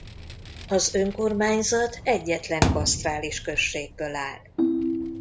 Az önkormányzat egyetlen katasztrális községből áll.